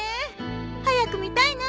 早く見たいな。